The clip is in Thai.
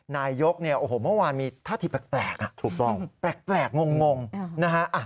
นายกเนี่ยโอ้โหเมื่อวานมีท่าทีแปลกอ่ะถูกต้องแปลกงงนะฮะ